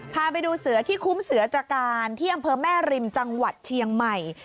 พาไปดูเสือที่คุ้มเสือตรการที่อำเภอแม่ริมจังหวัดเชียงใหม่